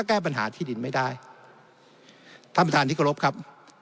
แก้ปัญหาที่ดินไม่ได้ท่านประธานที่กรบครับ